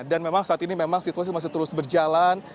dan memang saat ini memang situasi masih terus berjalan